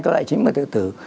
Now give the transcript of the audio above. hai loại chính về tự tử